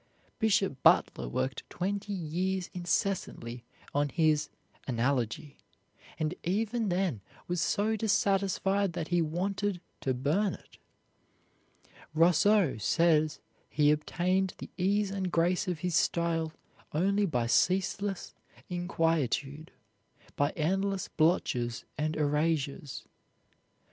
Bishop Butler worked twenty years incessantly on his "Analogy," and even then was so dissatisfied that he wanted to burn it. Rousseau says he obtained the ease and grace of his style only by ceaseless inquietude, by endless blotches and erasures.